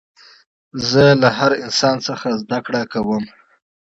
زه له هر انسان څخه زدکړه کوم.